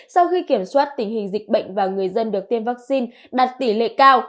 sau khi kiểm soát tình hình dịch bệnh và người dân được tiêm vaccine đạt tỷ lệ cao